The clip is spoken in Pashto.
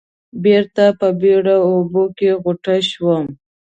بېرته په بېړه اوبو کې غوټه شوم.